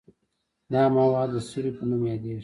دا مواد د سرې په نوم یادیږي.